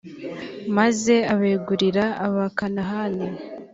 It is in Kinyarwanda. maze abegurira abakanahani.